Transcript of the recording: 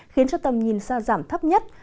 khiến cho tầm nhìn ra giảm thấp nhất